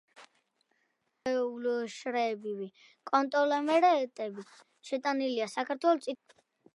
მეტეხის „არეულშრეებრივი კონგლომერატები“ შეტანილია საქართველოს წითელ წიგნში.